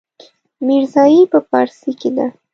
ميرزايي په پارسي کې ده.